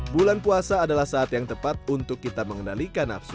bulan puasa adalah saat yang tepat untuk kita mengendalikan nafsu